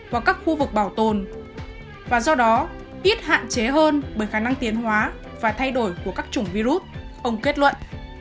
hoặc các khu vực bảo tồn và do đó ít hạn chế hơn bởi khả năng tiến hóa và thay đổi của các chủng virus ông kết luận